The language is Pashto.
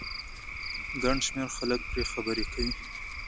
ګن شمېر خلک پرې خبرې کوي